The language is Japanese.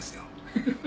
フフフ。